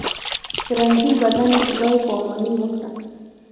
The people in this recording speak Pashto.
په رنځور بدن یې خدای پاماني وکړه.